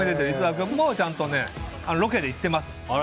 井戸田君もちゃんとロケで行ってます。